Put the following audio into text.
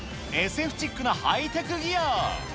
ＳＦチックなハイテクギア。